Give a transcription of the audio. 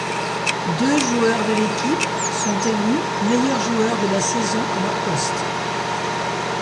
Deux joueurs de l'équipe sont élus meilleur joueur de la saison à leur poste.